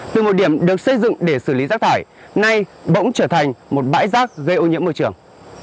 từ một điểm được xây dựng để xử lý rác thải nay bỗng trở thành một bãi rác gây ô nhiễm môi trường